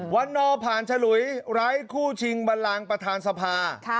วันนอผ่านฉลุยไร้คู่ชิงบันลังประธานสภา